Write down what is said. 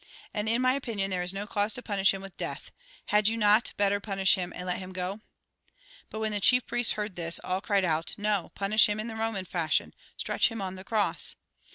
And, in my opinion, there is no cause to punish him with death. Had vou not better punish hun and let him go ?" But when the chief priests heard this, all cried out :" No, punish him in the Roman fashion ! Stretch him on the cross